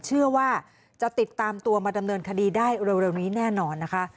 เชื่อว่าจะติดตามตัวมาดำเนินคดีได้เร็วนี้แน่นอนนะคะ